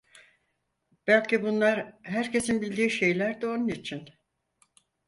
Belki bunlar herkesin bildiği şeyler de onun için.